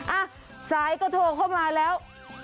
อ่ะสายก็โทรเข้ามาแล้ว